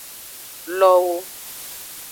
Lowo.